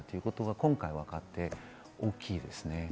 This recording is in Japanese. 今回、分かって大きいですね。